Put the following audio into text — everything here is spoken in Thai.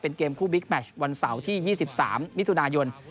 เป็นเกมคู่บิ๊กแมทข์วันเสาที่ยี่สิบสามมิถุนายน